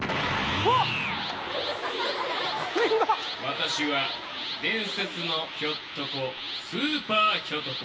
私は伝説のひょっとこスーパーひょと子。